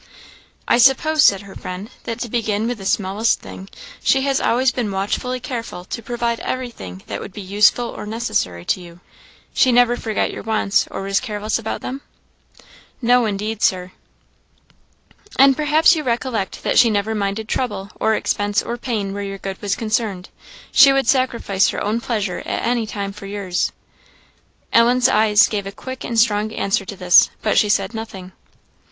"I suppose," said her friend, "that, to begin with the smallest thing, she has always been watchfully careful to provide every thing that would be useful or necessary for you; she never forgot your wants, or was careless about them?" "No indeed, Sir." "And perhaps you recollect that she never minded trouble, or expense, or pain, where your good was concerned; she would sacrifice her own pleasure at any time for yours?" Ellen's eyes gave a quick and strong answer to this, but she said nothing.